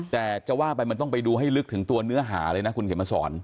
แต่จะว่าไปมันต้องไปดูให้ลึกถึงตัวเนื้อหาเลยนะคุณเขียนมาสอน